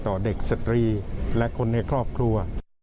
ต่อเด็กสตรีและคนในครอบครัว